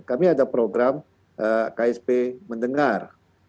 kami ada program ksp mendengar